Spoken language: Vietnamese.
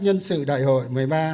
nhân sự đại hội một mươi ba